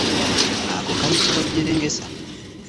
Ako kayitibwa jjerengesa.